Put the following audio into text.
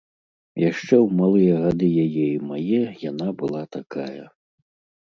Яшчэ ў малыя гады яе і мае яна была такая.